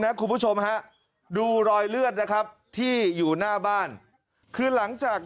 คุณผู้ชมฮะดูรอยเลือดนะครับที่อยู่หน้าบ้านคือหลังจาก